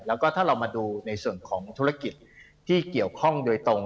แล้วก็ถ้าเรามาดูในส่วนของธุรกิจที่เกี่ยวข้องโดยตรง